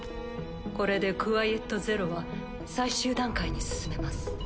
これでクワイエット・ゼロは最終段階に進めます。